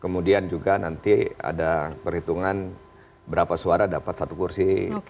kemudian juga nanti ada perhitungan berapa suara dapat satu kursi